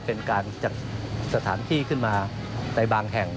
เป็นการจัดสถานที่ขึ้นมาในบางแห่ง